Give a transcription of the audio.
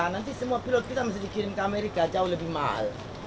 nanti semua pilot kita mesti dikirim ke amerika jauh lebih mahal